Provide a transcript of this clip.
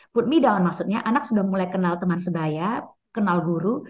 put me down maksudnya anak sudah mulai kenal teman sebayar kenal guru